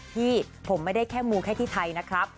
ที่ผมไม่ได้แค่มูแค่ที่ไทยนะครับ